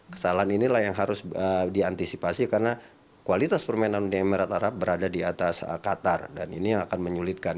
kesalahan inilah yang harus diantisipasi karena kualitas permainan uni emirat arab berada di atas qatar dan ini akan menyulitkan